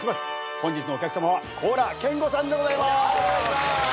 本日のお客さまは高良健吾さんでございます。